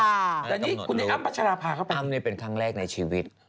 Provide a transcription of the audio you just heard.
อ่าแต่นี่คุณเนี่ยอ้ำปัจจาราพาเข้าไปอ้ำนี่เป็นครั้งแรกในชีวิต